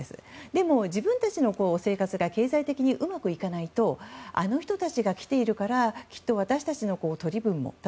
でも、自分たちの生活が経済的にうまくいかないとあの人たちが来ているから私たちの取り分も、と。